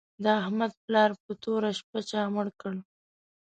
د احمد پلار په توره شپه چا مړ کړ